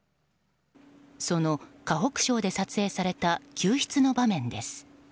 その河北省で撮影された救出の場面です。